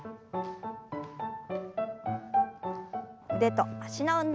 腕と脚の運動です。